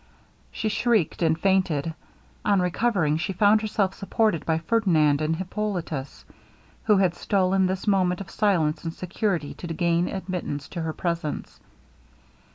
She shrieked, and fainted. On recovering, she found herself supported by Ferdinand and Hippolitus, who had stolen this moment of silence and security to gain admittance to her presence.